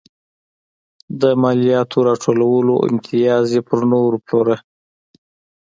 د مالیاتو راټولولو امتیاز یې پر نورو پلوره.